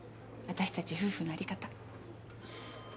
私たち夫婦の在り方。